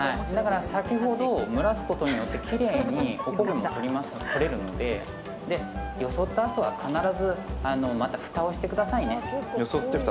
先ほど蒸らすことによってきれいにおこげも取れるのでよそったあとは必ずふたをしてくださいね。